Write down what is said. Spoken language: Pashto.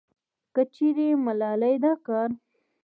کچېرې ملالې دا کار